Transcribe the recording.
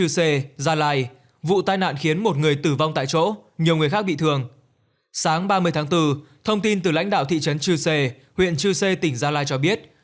sáng ba mươi tháng bốn thông tin từ lãnh đạo thị trấn chư sê huyện chư sê tỉnh gia lai cho biết